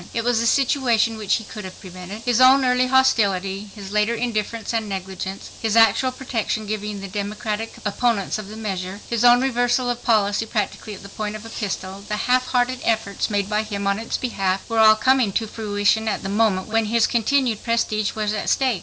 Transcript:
It was a situation which he could have prevented. His own early hostility, his later indifference and negligence, his actual protection given to Democratic opponents of the measure, his own reversal of policy practically at the point of a pistol, the half hearted efforts made by him on its behalf, were all coming to fruition at the moment when his continued prestige was at stake.